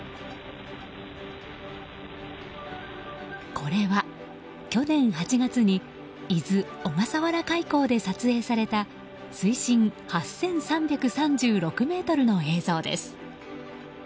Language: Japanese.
これは、去年８月に伊豆・小笠原海溝で撮影された水深８３３６ｍの映像です。